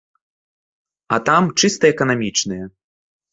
А там чыста эканамічныя.